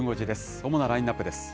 主なラインナップです。